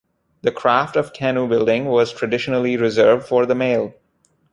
The craft of Canoe building was traditionally reserved for the male.